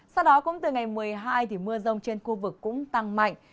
sau đó cũng từ ngày một mươi hai thì mưa rông trên khu vực cũng tăng mạnh